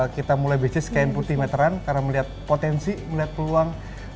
kita mulai which is kain putih meteran karena melihat potensi melihat peluang